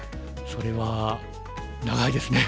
それは長いですね。